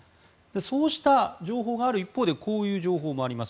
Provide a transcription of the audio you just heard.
そうした情報がある一方でこういう情報もあります。